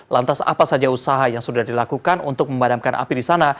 lantas apa saja usaha yang sudah dilakukan untuk memadamkan api di sana